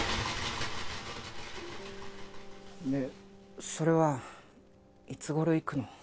でそれはいつごろ行くの？